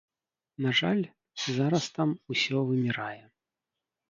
На жаль, зараз там усё вымірае.